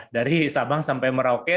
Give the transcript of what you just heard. dari sabang sampai merauke